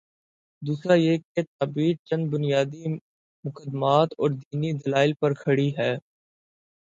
دوسرا یہ کہ یہ تعبیر چند بنیادی مقدمات اوردینی دلائل پر کھڑی ہے۔